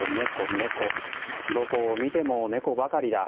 どこを見ても猫ばかりだ。